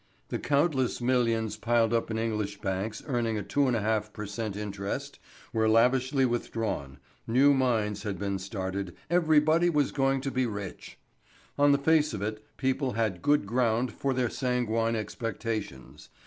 The countless millions piled up in English banks earning a 2½ per cent. interest were lavishly withdrawn, new mines had been started, everybody was going to be rich. On the face of it people had good ground for their sanguine expectations.